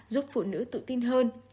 giúp phụ nữ tự tin hơn